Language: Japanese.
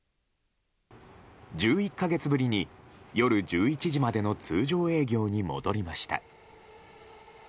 １１か月ぶりに夜１１時までの通常営業に戻りました。